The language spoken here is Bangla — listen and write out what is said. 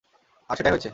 আর সেটাই হয়েছে।